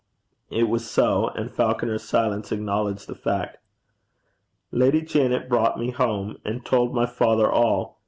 It was so, and Falconer's silence acknowledged the fact. 'Lady Janet brought me home, and told my father all.